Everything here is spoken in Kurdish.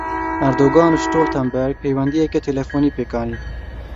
Erdogan û Stoltenberg peywendiyeke telefonî pêk anîn.